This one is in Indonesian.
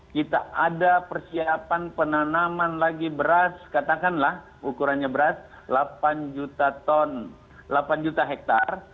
kita ada persiapan penanaman lagi beras katakanlah ukurannya beras delapan juta ton delapan juta hektare